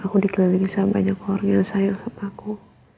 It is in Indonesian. aku dikelilingi sama banyak orang yang sayang sama aku